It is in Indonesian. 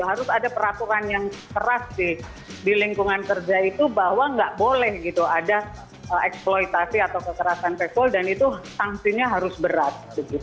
harus ada peraturan yang keras di lingkungan kerja itu bahwa nggak boleh gitu ada eksploitasi atau kekerasan seksual dan itu sanksinya harus berat